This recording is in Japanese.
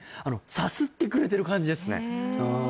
さすってくれてる感じですねああ